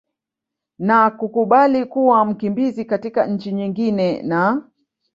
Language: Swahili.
na kukubali kuwa mkimbizi katika nchi nyingine na